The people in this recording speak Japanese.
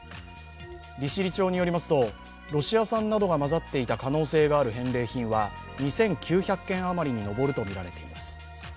利尻町によりますと、ロシア産などが混ざっていた可能性がある返礼品は２９００件余りに上るとみられています。